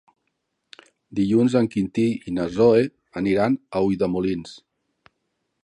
Dilluns en Quintí i na Zoè aniran a Ulldemolins.